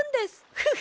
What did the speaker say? フフ！